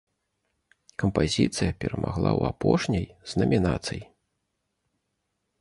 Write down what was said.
Кампазіцыя перамагла ў апошняй з намінацый.